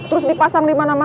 terus dipasang dimana mana